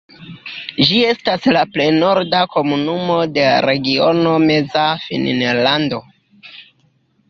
Ĝi estas la plej norda komunumo de regiono Meza Finnlando.